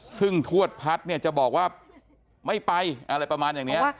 ซึ่งทวดพัฒน์เนี่ยจะบอกว่าไม่ไปอะไรประมาณอย่างนี้